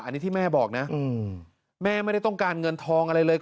อันนี้ที่แม่บอกนะแม่ไม่ได้ต้องการเงินทองอะไรเลย